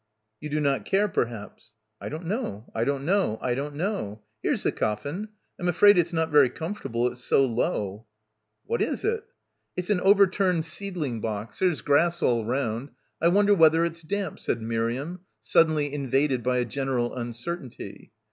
"You do not care, perhaps?" "I don't know, I don't know, I don't know. Here's the coflin. I'm afraid it's not very com fortable. It's so low." "What is it?" "It's an overturned seedling box. There's grass all around. I wonder whether it's damp," said Miriam, suddenly invaded by a general un certainty.